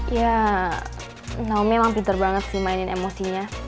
ya naomi emang pinter banget sih mainin emosinya